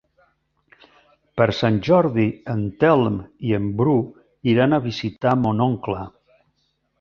Per Sant Jordi en Telm i en Bru iran a visitar mon oncle.